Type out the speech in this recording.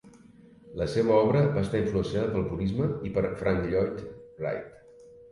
La seva obra va estar influenciada pel purisme i per Frank Lloyd Wright.